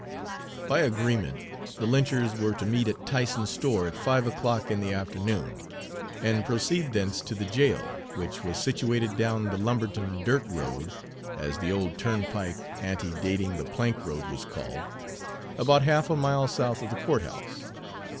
By agreement the lynchers were to meet at Tyson's store at five o'clock in the afternoon, and proceed thence to the jail, which was situated down the Lumberton Dirt Road (as the old turnpike antedating the plank road was called), about half a mile south of the court house.